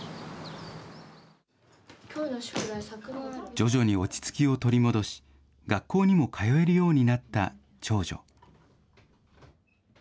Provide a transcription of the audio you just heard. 徐々に落ち着きを取り戻し、学校にも通えるようになった長女。